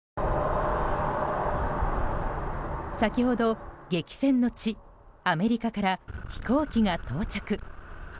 先ほど、激戦の地アメリカから飛行機が到着。